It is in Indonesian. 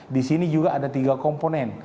di sini juga ada tiga komponen